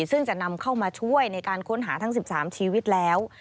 ซึ่งจะนำเข้ามาช่วยในการค้นหาทั้ง๑๓ชีวิตแล้ว